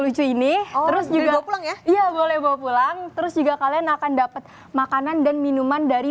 lucu ini terus juga pulang ya iya boleh bawa pulang terus juga kalian akan dapat makanan dan minuman dari